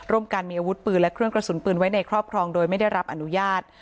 การมีอาวุธปืนและเครื่องกระสุนปืนไว้ในครอบครองโดยไม่ได้รับอนุญาต